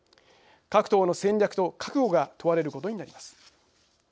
各党の戦略と覚悟が問われることになります。